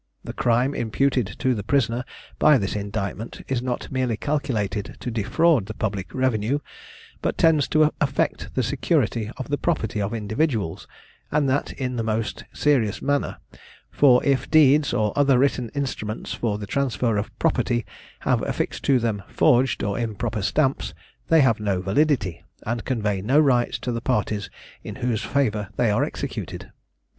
The crime imputed to the prisoner by this indictment, is not merely calculated to defraud the public revenue, but tends to affect the security of the property of individuals, and that in the most serious manner, for if deeds, or other written instruments for the transfer of property, have affixed to them forged or improper stamps, they have no validity, and convey no rights to the parties in whose favour they are executed.